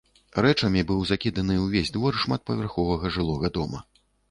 Рэчамі быў закіданы ўвесь двор шматпавярховага жылога дома.